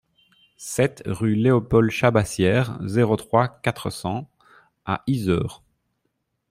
sept rue Léopold Chabassière, zéro trois, quatre cents à Yzeure